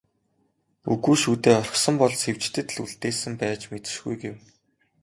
"Үгүй шүү дээ, орхисон бол Сэвжидэд л үлдээсэн байж мэдэшгүй" гэв.